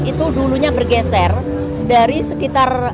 itu dulunya bergeser dari sekitar